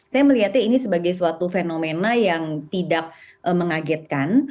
saya melihatnya ini sebagai suatu fenomena yang tidak mengagetkan